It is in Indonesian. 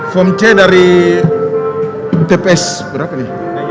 form c dari tpex berapa ini